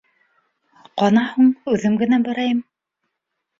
Ҡана һуң үҙем генә барайым!